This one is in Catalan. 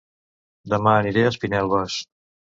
Dema aniré a Espinelves